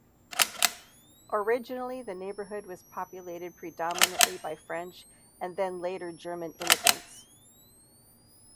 Originally, the neighborhood was populated predominantly by French and then later German immigrants.